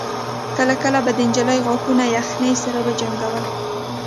کله کله به د نجلۍ غاښونه يخنۍ سره وجنګول.